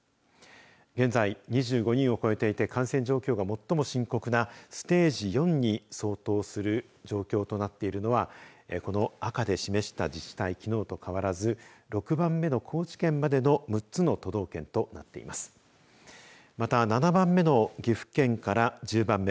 現在、２５人を超えていて感染状況が最も深刻なステージ４に相当する状況となっているのはこの赤で示した自治体きのうとかわらず６番目の高知県までの６つの都道府県となっています。